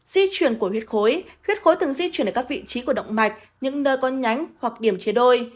di chuyển của huyết khối huyết khối từng di chuyển ở các vị trí của động mạch những nơi có nhánh hoặc điểm chế đôi